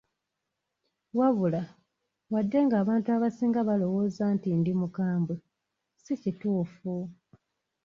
"Wabula, wadde ng’abantu abasinga balowooza nti ndi mukambwe, si kituufu."